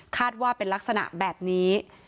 ว่าเป็นลักษณะแบบนี้